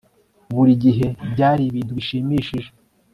buri gihe byari ibintu bishimishije